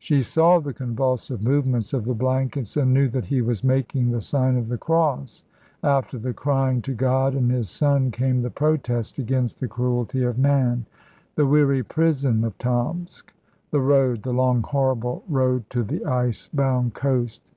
She saw the convulsive movements of the blankets, and knew that he was making the sign of the cross. After the crying to God and His Son came the protest against the cruelty of man. "The weary prison of Tomsk; the road the long, horrible road to the ice bound coast.